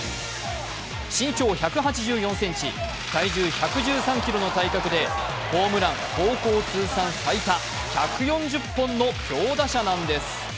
身長１８４ｃｍ、体重１１３ｋｇの体格でホームラン高校通算最多、１４０本の強打者なんです。